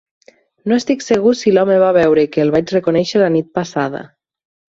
No estic segur si l"home va veure que el vaig reconèixer la nit passada.